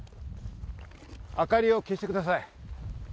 明かりを消してください。